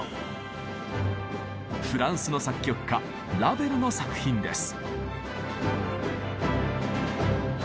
フランスの作曲家ラヴェルの作品です。